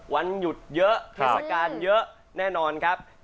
วันหยุดเยอะประสบการณ์เยอะแน่นอนครับ